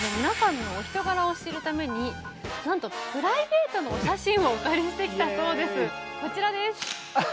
皆さんのお人柄を知るためになんとプライベートのお写真をお借りしてきたそうです。